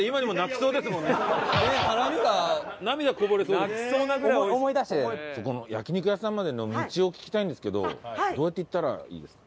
そこの焼肉屋さんまでの道を聞きたいんですけどどうやって行ったらいいですか？